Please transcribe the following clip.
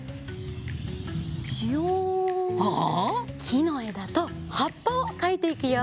きのえだとはっぱをかいていくよ。